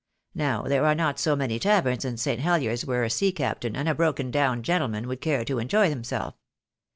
Now, there are not so many taverns in St. Heliers where a sea captain, and a broken down gentleman, would care to enjoy himself.